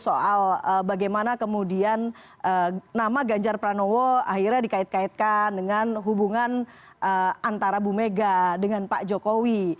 soal bagaimana kemudian nama ganjar pranowo akhirnya dikait kaitkan dengan hubungan antara bu mega dengan pak jokowi